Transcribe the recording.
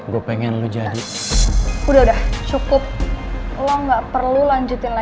gue seneng banget ada di deket lo